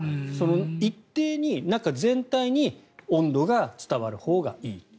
一定に全体に温度が伝わるほうがいい。